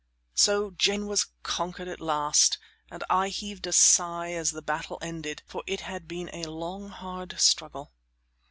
So Jane was conquered at last, and I heaved a sigh as the battle ended, for it had been a long, hard struggle.